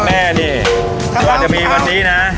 เม่าเต๋มีวันนี้น่ะ